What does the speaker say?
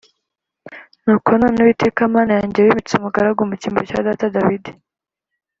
nuko none, uwiteka mana yanjye, wimitse umugaragu mu cyimbo cya data dawidi,